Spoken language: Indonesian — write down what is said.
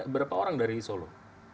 berapa orang dari solo